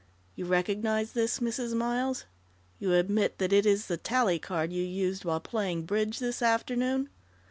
"You recognize this, Mrs. Miles?... You admit that it is the tally card you used while playing bridge this afternoon?"